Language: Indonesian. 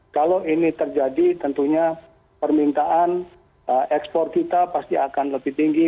kalau ini terjadi tentunya permintaan ekspor kita pasti akan lebih tinggi